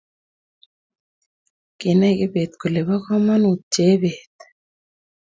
kinay Kibet kole bo kamanuut Chebet